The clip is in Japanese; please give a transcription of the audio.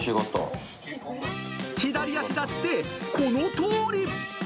左足だってこのとおり。